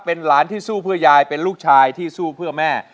เป็นหลานที่สู้เพื่อยายเป็นลูกชายที่สู้เพื่อแม่